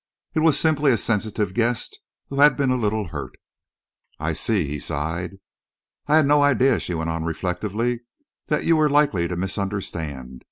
It was simply a sensitive guest who had been a little hurt." "I see," he sighed. "I had no idea," she went on reflectively, "that you were likely to misunderstand.